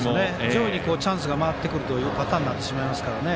上位にチャンスが回ってくるというパターンになりますからね。